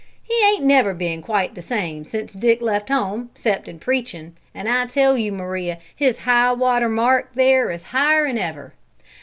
He ain't never been quite the same sence Dick left home, 'cept in preaching'; an' I tell you, Maria, his high water mark there is higher 'n ever.